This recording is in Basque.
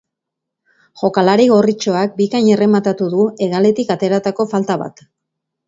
Jokalari gorritxoak bikain errematatu du hegaletik ateratako falta bat.